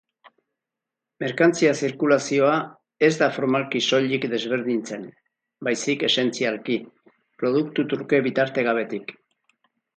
Merkantzia-zirkulazioa ez da formalki soilik desberdintzen, baizik esentzialki, produktu-truke bitartegabetik.